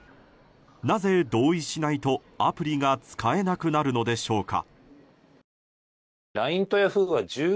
なぜ同意しないとアプリが使えなくなるのでしょうか。